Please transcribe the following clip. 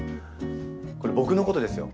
これ僕のことですよ。